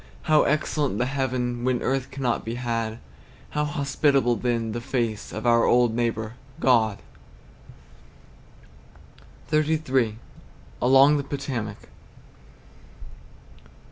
How excellent the heaven, When earth cannot be had; How hospitable, then, the face Of our old neighbor, God! XXXIII. ALONG THE POTOMAC.